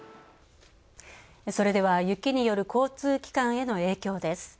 それでは雪による交通機関への影響です。